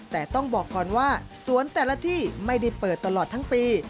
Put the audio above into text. แต่ต้องบอกก่อนว่าสวนแต่ละที่ไม่ได้เปิดตลอดทั้งปี